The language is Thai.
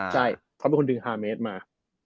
ใช่เขาเป็นคนดึง๕เมตรมา